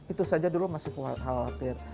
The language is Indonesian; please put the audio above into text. itu saja dulu masih khawatir